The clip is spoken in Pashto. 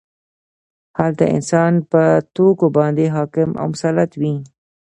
هلته انسان په توکو باندې حاکم او مسلط وي